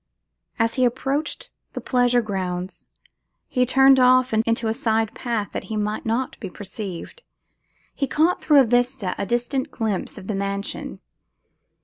As he approached the pleasure grounds, he turned off into a side path that he might not be perceived; he caught, through a vista, a distant glimpse of the mansion.